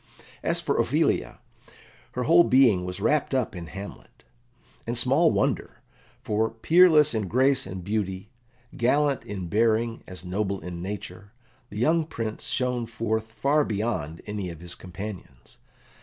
As for Ophelia, her whole being was wrapt up in Hamlet. And small wonder, for peerless in grace and beauty, gallant in bearing as noble in nature, the young Prince shone forth far beyond any of his companions.